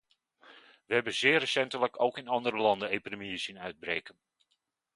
Wij hebben zeer recentelijk ook in andere landen epidemieën zien uitbreken.